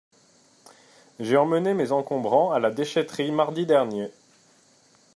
J’ai emmené mes encombrants à la déchèterie mardi dernier.